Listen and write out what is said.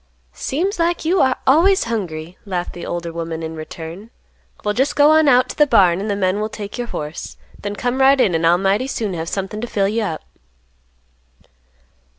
"Seems like you are always hungry," laughed the older woman, in return. "Well just go on out to the barn, and the men will take your horse; then come right in and I'll mighty soon have something to fill you up."